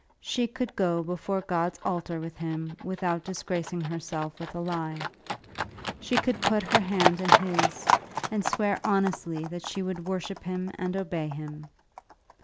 She could go before God's altar with him without disgracing herself with a lie. She could put her hand in his, and swear honestly that she would worship him and obey him.